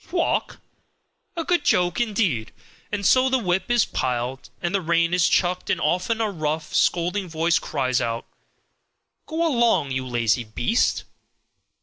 Walk! A good joke indeed! And so the whip is plied and the rein is chucked and often a rough, scolding voice cries out, "Go along, you lazy beast!"